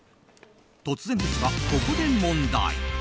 突然ですが、ここで問題。